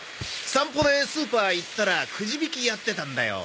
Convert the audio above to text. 散歩でスーパー行ったらくじ引きやってたんだよ。